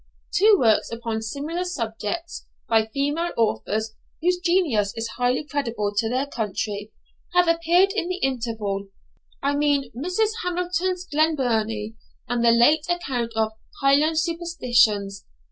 Two works upon similar subjects, by female authors whose genius is highly creditable to their country, have appeared in the interval; I mean Mrs. Hamilton's 'Glenburnie' and the late account of 'Highland Superstitions.'